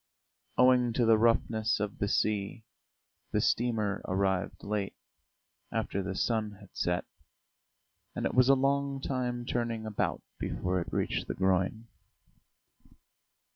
Owing to the roughness of the sea, the steamer arrived late, after the sun had set, and it was a long time turning about before it reached the groyne.